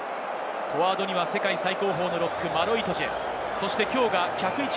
フォワードには世界最高峰のロック、マロ・イトジェ。